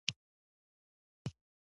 کمپیوټر ساینس د هرې نوې ټکنالوژۍ برخه ده.